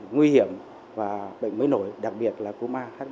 nguy hiểm và bệnh mới nổi đặc biệt là cúm ah bảy trăm một mươi chín